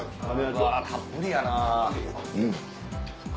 うわたっぷりやな！